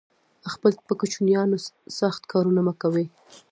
خپل په کوچینیانو سخت کارونه مه کوی